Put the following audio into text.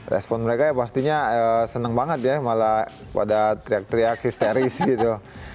respon mereka ya pastinya senang banget ya malah pada teriak teriak histeris gitu